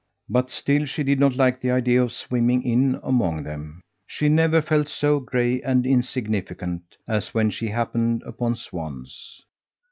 But still she did not like the idea of swimming in among them. She never felt so gray and insignificant as when she happened upon swans.